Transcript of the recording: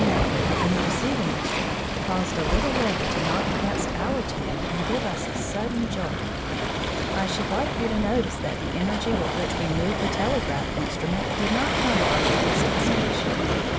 Some of them in their march around an electro magnet in the receiving instrument caused a little lever to knock against our tube and give us a sudden jolt. I should like you to notice that the energy with which we moved the telegraph instrument did not come from the distant station.